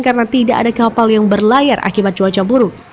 karena tidak ada kapal yang berlayar akibat cuaca buruk